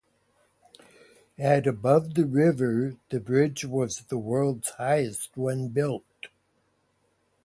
At above the river, the bridge was the world's highest when built.